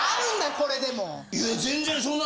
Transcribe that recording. これでも。